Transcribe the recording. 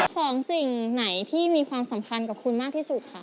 ของสิ่งไหนที่มีความสำคัญกับคุณมากที่สุดค่ะ